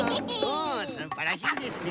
うんすばらしいですね。